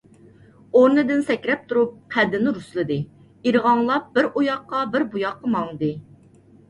ئورنىدىن سەكرەپ تۇرۇپ، قەددىنى رۇسلىدى، ئىرغاڭلاپ بىر ئۇ ياققا - بىر بۇ ياققا ماڭدى.